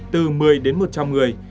từ một mươi đến một trăm linh người